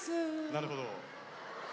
なるほど。